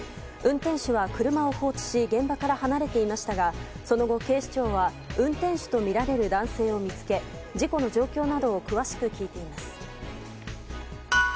運転手は車を放置し現場から離れていましたがその後、警視庁は運転手とみられる男性を見つけ事故の状況などを詳しく聞いています。